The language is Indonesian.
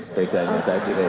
sepedanya saya kirim